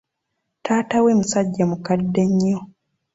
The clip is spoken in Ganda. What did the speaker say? Taata we musajja mukadde nnyo.